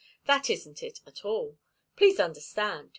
That isn't it, at all. Please understand.